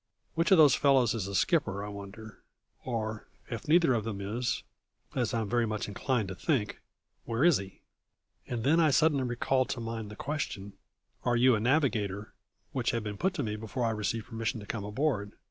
Which of those fellows is the skipper, I wonder or, if neither of them is, as I am very much inclined to think, where is he?" And then I suddenly recalled to mind the question "Are you a navigator?" which had been put to me before I received permission to come aboard.